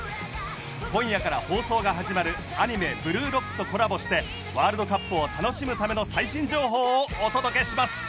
今夜から放送が始まるアニメ『ブルーロック』とコラボしてワールドカップを楽しむための最新情報をお届けします。